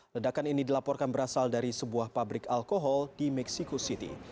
ledakan ini dilaporkan berasal dari sebuah pabrik alkohol di meksiko city